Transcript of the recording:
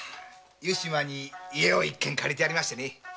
湯島に家を一軒借りましてね。